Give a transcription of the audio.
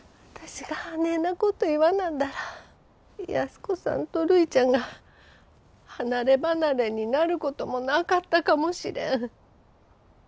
私があねえなこと言わなんだら安子さんとるいちゃんが離れ離れになることもなかったかもしれん。